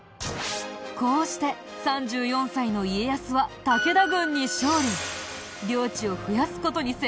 こうして３４歳の家康は武田軍に勝利。